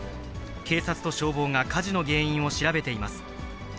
警察と消防が火事の原因を調べています。